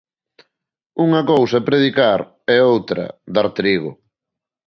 Unha cousa é predicar e outra, dar trigo.